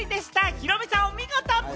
ヒロミさん、お見事！